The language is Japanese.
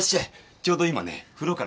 ちょうど今ね風呂から。